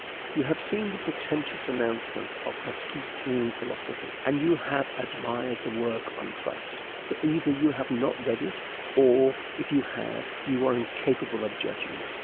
You have seen the pretentious announcements of "L'Esquisse d'une Philosophie," and you have admired the work on trust; for either you have not read it, or, if you have, you are incapable of judging it.